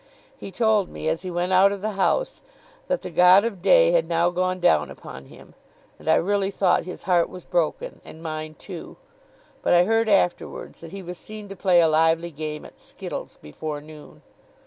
He told me, as he went out of the house, that the God of day had now gone down upon him and I really thought his heart was broken and mine too. But I heard, afterwards, that he was seen to play a lively game at skittles, before noon.